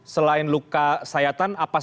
selain luka sayatan apa saja